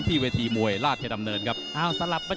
ที่วิธีมวยลาธิดำเนินครับ